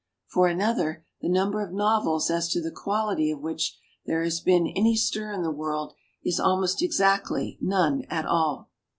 For another, the number of novels as to the quality of which there has been any stir in the world, is almost exactly none at all.